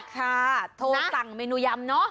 ค่ะโทรสั่งเมนูยำเนอะ